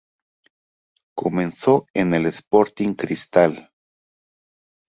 Comenzó en el Sporting Cristal.